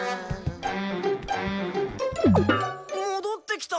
もどってきた！